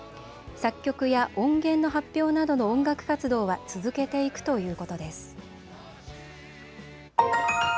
作曲や音源の発表などの音楽活動は続けていくということです。